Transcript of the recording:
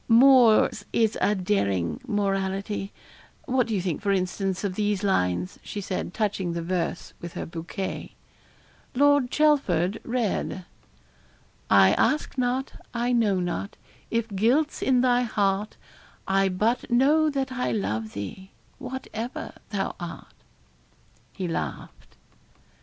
'Moore's is a daring morality what do you think, for instance, of these lines?' she said, touching the verse with her bouquet. Lord Chelford read I ask not, I know not, if guilt's in thy heart I but know that I love thee, whatever thou art.' He laughed.